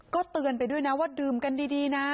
ก็เตือนไปด้วยนะว่าดื่มกันดีนะ